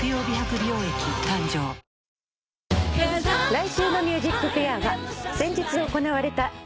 来週の『ＭＵＳＩＣＦＡＩＲ』は先日行われたＬＡＤＩＶＡ